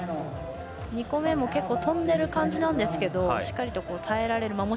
２個目も結構、とんでる感じなんですけどしっかり耐えられている。